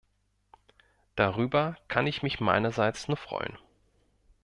Darüber kann ich mich meinerseits nur freuen.